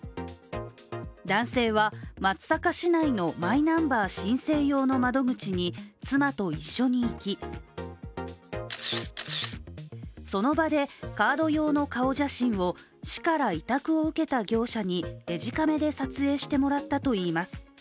男性は松阪市内のマイナンバー申請用の窓口に妻と一緒に行き、その場でカード用の顔写真を市から委託を受けた業者にデジカメで撮影してもらったといいます。